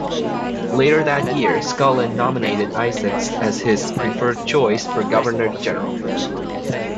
Later that year, Scullin nominated Isaacs as his preferred choice for governor-general.